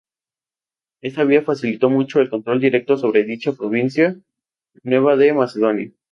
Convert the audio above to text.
Esta vía facilitó mucho el control directo sobre dicha provincia nueva de Macedonia.